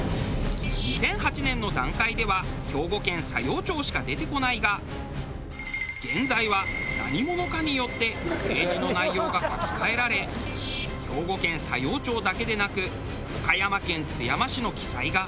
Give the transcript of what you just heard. ２００８年の段階では兵庫県佐用町しか出てこないが現在は何者かによってページの内容が書き換えられ兵庫県佐用町だけでなく岡山県津山市の記載が。